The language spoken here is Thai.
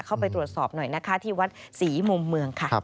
เข้าไปตรวจสอบหน่อยนะคะที่วัดศรีมุมเมืองค่ะ